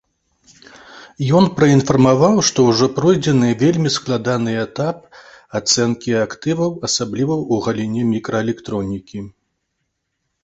Ён праінфармаваў, што ўжо пройдзены вельмі складаны этап ацэнкі актываў, асабліва ў галіне мікраэлектронікі.